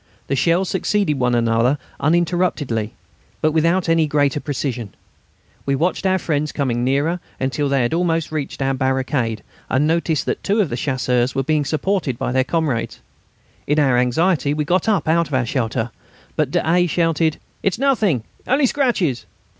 The shells succeeded one another uninterruptedly, but without any greater precision. We watched our friends coming nearer until they had almost reached our barricade, and noticed that two of the Chasseurs were being supported by their comrades. In our anxiety, we got up out of shelter, but d'A. shouted: "It's nothing; only scratches...."